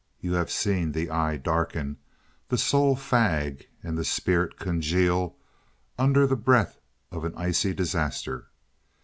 You have seen the eye darken, the soul fag, and the spirit congeal under the breath of an icy disaster.